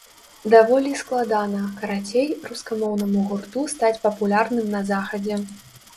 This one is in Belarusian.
Даволі складана, карацей, рускамоўнаму гурту стаць папулярным на захадзе.